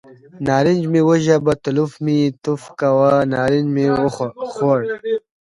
نارنج مې وژبه، تلوف مې یې توف کاوه، نارنج مې خوړ.